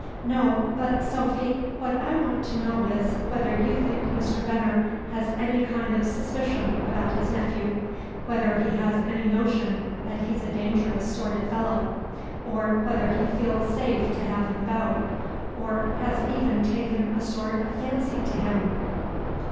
"No, but, Sophy, what I want to know is, whether you think Mr. Veneer has any kind of suspicion about his nephew, whether he has any notion that he's a dangerous sort of fellow, or whether he feels safe to have him about, or has even taken a sort of fancy to him."